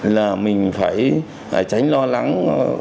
là mình phải tránh lo lắng